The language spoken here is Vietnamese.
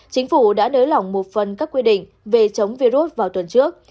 chính phủ đã nới lỏng một phần các quy định về chống virus vào tuần trước